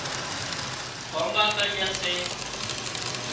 ڪانپاڪڙيئا سي